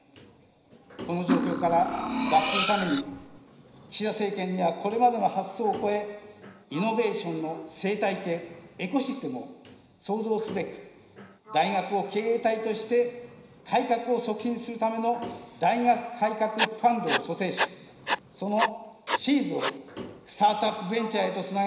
この状況から脱するために、岸田政権にはこれまでの発想を超え、イノベーションの生態系・エコシステムを創造すべく、大学を経営体として、改革を促進するための大学改革ファンドを組成し、そのシーズをスタートアップ・ベンチャーへとつなげ、